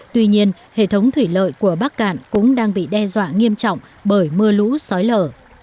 tuy nhiên hệ thống thủy lợi của bắc cạn cũng đang bị đe dọa nghiêm trọng bởi mưa lũ sói lở